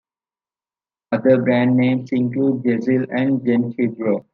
Other brand names include Jezil and Gen-Fibro.